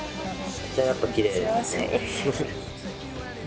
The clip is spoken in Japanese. やっぱきれいですね。